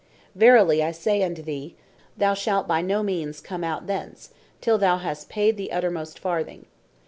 Verily I say unto thee, thou shalt by no means come out thence, till thou has paid the uttermost farthing."